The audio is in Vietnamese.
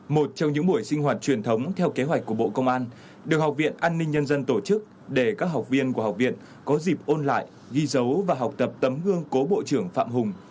một trong những buổi sinh hoạt truyền thống theo kế hoạch của bộ công an được học viện an ninh nhân dân tổ chức để các học viên của học viện có dịp ôn lại ghi dấu và học tập tấm gương cố bộ trưởng phạm hùng